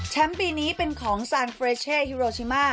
ปีนี้เป็นของซานเฟรเช่ฮิโรชิมา